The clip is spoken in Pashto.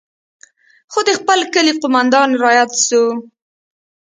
خو د خپل کلي قومندان راياد سو.